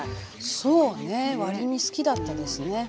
そうね割に好きだったですね。